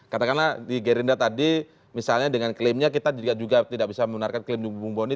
katakanlah di gerindra tadi misalnya dengan klaimnya kita juga tidak bisa membenarkan klaim di bung boni